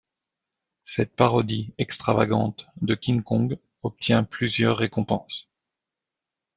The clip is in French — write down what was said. Cette parodie extravagante de King Kong obtient plusieurs récompenses.